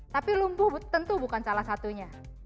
tapi lumpuh tentu bukan salah satunya